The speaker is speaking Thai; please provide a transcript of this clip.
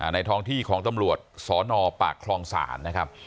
ในท้องที่ของตำรวจสอนอปากคลองศาล